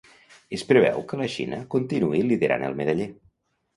Es preveu que la Xina continuï liderant el medaller.